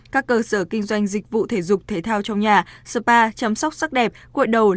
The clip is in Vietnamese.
các cơ sở kinh doanh dịch vụ thể dục thể thao trong nhà spa chăm sóc sắc đẹp cuội đầu